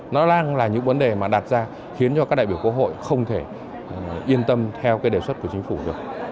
nó đang là những vấn đề mà đặt ra khiến cho các đại biểu quốc hội không thể yên tâm theo cái đề xuất của chính phủ được